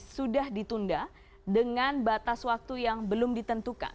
sudah ditunda dengan batas waktu yang belum ditentukan